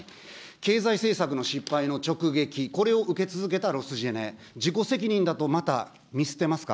経済政策の失敗の直撃、これを受け続けたロスジェネ、自己責任だとまた見捨てますか。